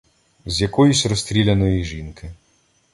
З якоїсь розстріляної жінки.